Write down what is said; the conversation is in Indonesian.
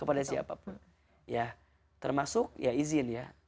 kepada siapapun ya termasuk ya izin ya